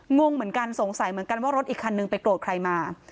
งงเหมือนกันสงสัยเหมือนกันว่ารถอีกคันนึงไปโกรธใครมา